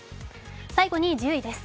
最後に１０位です。